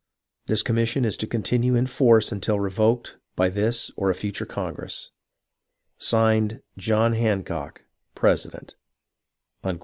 This commis sion is to continue in force until revoked by this or a future Congress. (Signed) John Hancock, President.